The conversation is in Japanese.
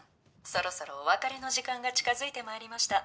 「そろそろお別れの時間が近づいて参りました」